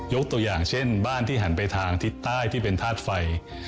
ตัวอย่างเช่นบ้านที่หันไปทางทิศใต้ที่เป็นธาตุไฟ